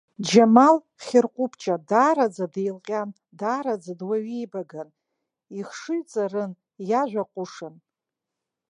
Џьамал хьырҟәыбҷа даараӡа деилҟьан, даараӡа дуаҩеибаган, ихшыҩ ҵарын, иажәа ҟәышын.